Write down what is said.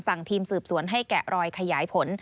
ทีมสืบสวนให้แกะรอยขยายผล